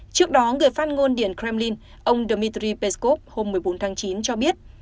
trước đó người phát ngôn điện kremlin ông dmitry peskov hôm một mươi bốn tháng chín cho biết